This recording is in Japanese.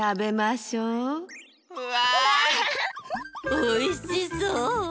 おいしそう。